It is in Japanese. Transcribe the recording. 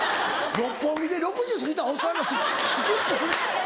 六本木で６０歳過ぎたおっさんがスキップする。